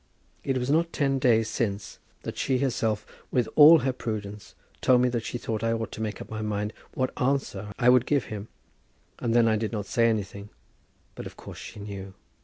It was not ten days since that she herself, with all her prudence, told me that she thought I ought to make up my mind what answer I would give him. And then I did not say anything; but of course she knew.